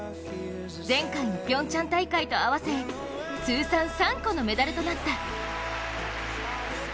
前回のピョンチャン大会と合わせ、通算３個のメダルとなった。